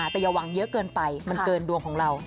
แต่อย่าหวังเยอะเกินไปมันเกินดวงของเรา